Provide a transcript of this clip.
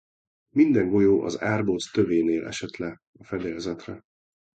Minden golyó az árbóc tövénél esett le a fedélzetre.